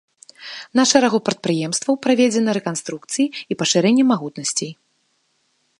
На шэрагу прадпрыемстваў праведзена рэканструкцыі і пашырэнне магутнасцей.